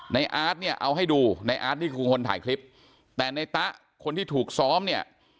อาร์ตเนี่ยเอาให้ดูในอาร์ตนี่คือคนถ่ายคลิปแต่ในตะคนที่ถูกซ้อมเนี่ย